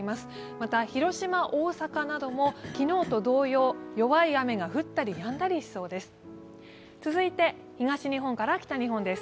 また広島、大阪なども昨日と同様弱い雨が降ったりやんだりしそうです。